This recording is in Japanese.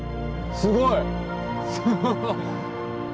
すごい。